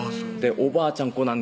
おばあちゃん